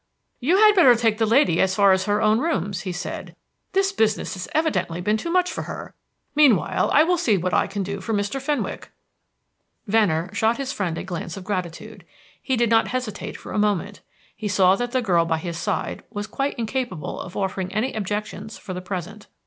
"You had better take the lady as far as her own rooms," he said. "This business has evidently been too much for her. Meanwhile, I will see what I can do for Mr. Fenwick." Venner shot his friend a glance of gratitude. He did not hesitate for a moment; he saw that the girl by his side was quite incapable of offering any objections for the present.